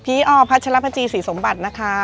อพัชรพจีศรีสมบัตินะคะ